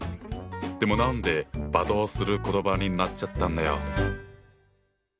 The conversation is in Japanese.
でも何で罵倒する言葉になっちゃったんだよ？